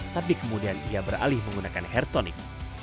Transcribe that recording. tapi kemudian ia beralih menggunakan hair tonic